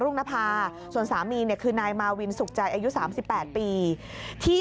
ออหมื่นคะเต่าะสะเค็ดแนวนี่กับโบทู